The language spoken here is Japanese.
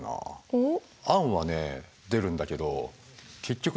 おっ。